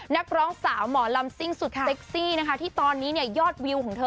นักร้องสาวหมอลำซิ่งสุดเซ็กซี่นะคะที่ตอนนี้เนี่ยยอดวิวของเธอ